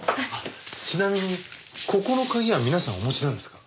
ちなみにここの鍵は皆さんお持ちなんですか？